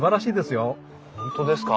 本当ですか？